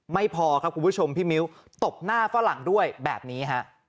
ไม่พอครับคุณผู้ชมพี่มิ้วตบหน้าฝรั่งด้วยแบบนี้ฮะ